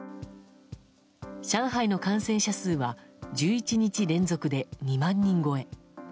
上海の感染者数は１１日連続で２万人超え。